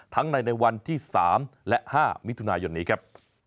ในวันที่๓และ๕มิถุนายนนี้ครับ